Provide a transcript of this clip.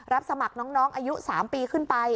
รับสมัครน้องอายุ๓ปีขึ้นไป